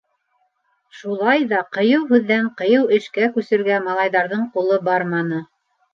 Шулай ҙа ҡыйыу һүҙҙән ҡыйыу эшкә күсергә малайҙарҙың ҡулы барманы.